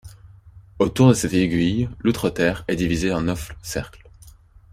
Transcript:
Autour de cette aiguille, l'Outreterre est divisée en neuf cercles.